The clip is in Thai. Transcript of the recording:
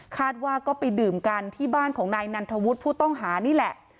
คาดว่าก็ไปดื่มกันที่บ้านของนายนันทวุฒิผู้ต้องหานี่แหละ